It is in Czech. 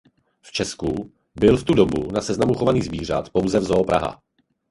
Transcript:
V Česku byl v tu dobu na seznamu chovaných zvířat pouze v Zoo Praha.